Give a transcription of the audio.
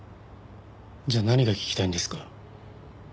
じゃあ何が聞きたいんですか？